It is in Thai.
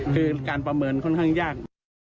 คือการประเมินค่อนข้างยาก